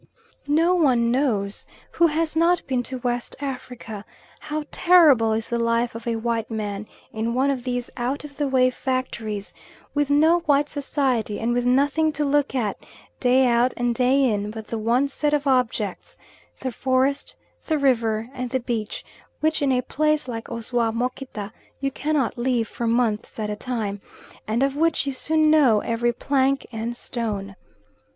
No one knows, who has not been to West Africa, how terrible is the life of a white man in one of these out of the way factories, with no white society, and with nothing to look at, day out and day in, but the one set of objects the forest, the river, and the beach, which in a place like Osoamokita you cannot leave for months at a time, and of which you soon know every plank and stone.